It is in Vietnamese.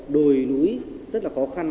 đồi núi rất là khó khăn